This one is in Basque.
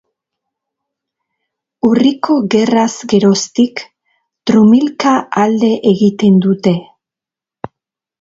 Urriko gerraz geroztik, trumilka alde egiten dute.